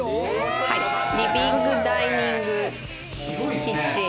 リビングダイニングキッチン。